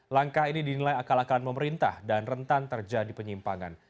langkah ini dinilai akal akalan pemerintah dan rentan terjadi penyimpangan